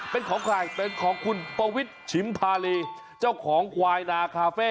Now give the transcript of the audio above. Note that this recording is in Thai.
เป็นของใครเป็นของคุณปวิทย์ชิมพารีเจ้าของควายนาคาเฟ่